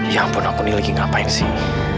ya ampun aku ini lagi ngapain sih